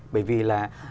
bởi vì là